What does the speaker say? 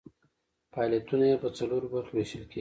فعالیتونه یې په څلورو برخو ویشل کیږي.